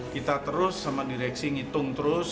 kita terus sama direksi ngitung terus